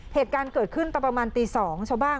เหตุการณ์เกิดขึ้นตอนประมาณตี๒ชาวบ้าน